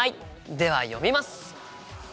では読みます！